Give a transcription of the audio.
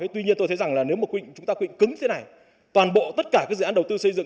tuy nhiên tôi thấy rằng nếu chúng ta quy định cứng thế này toàn bộ tất cả dự án đầu tư xây dựng